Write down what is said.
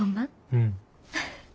うん。